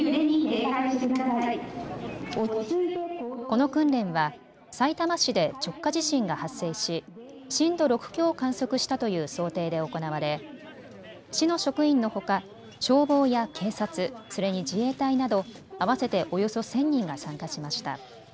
この訓練はさいたま市で直下地震が発生し震度６強を観測したという想定で行われ市の職員のほか消防や警察、それに自衛隊など合わせておよそ１０００人が参加しました。